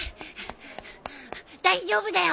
大丈夫だよ